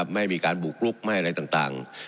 ไม่มีการบุกลุกไม่อะไรต่าง